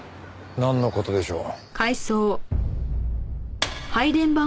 なんの事でしょう？